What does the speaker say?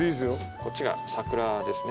こっちがサクラですね。